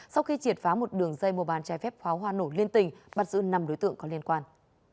sau khi triệt phá một đường dây mô bàn trai phép pháo hoa nổ liên tình bắt giữ năm đối tượng có liên quan